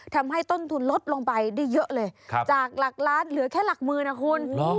ทำให้ต้นทุนลดลงไปได้เยอะเลยจากหลักล้านเหลือแค่หลักหมื่นนะคุณ